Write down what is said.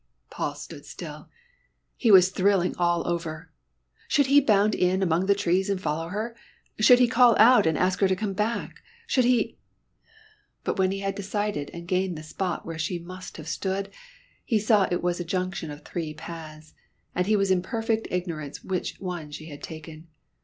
Paul stood still. He was thrilling all over. Should he bound in among the trees and follow her? Should he call out and ask her to come back? Should he ? But when he had decided and gained the spot where she must have stood, he saw it was a junction of three paths, and he was in perfect ignorance which one she had taken.